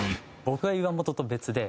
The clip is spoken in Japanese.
僕は岩本と別で。